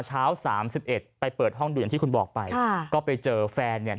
เช้าสามสิบเอ็ดไปเปิดห้องดูอย่างที่คุณบอกไปค่ะก็ไปเจอแฟนเนี่ย